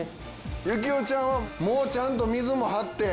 行雄ちゃんはもうちゃんと水も張って。